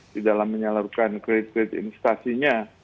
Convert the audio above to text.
di dalam menyalurkan kredit kredit instasinya